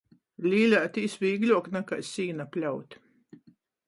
Līleitīs vīgļuok nakai sīna pļaut.